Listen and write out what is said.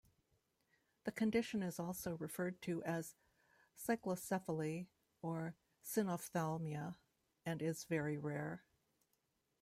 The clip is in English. The condition is also referred to as cyclocephaly or synophthalmia, and is very rare.